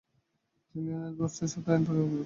তিনি উইলিয়াম বটসফোর্ডের সাথে আইন অধ্যয়ন করেন।